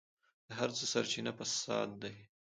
د هر څه سرچينه فساد دی.